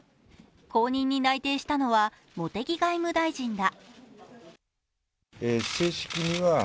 後任に内定したのは茂木外務大臣だ。